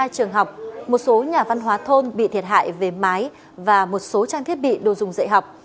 một mươi trường học một số nhà văn hóa thôn bị thiệt hại về mái và một số trang thiết bị đồ dùng dạy học